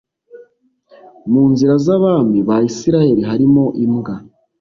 mu nzira z abami ba Isirayeli harimo imbwa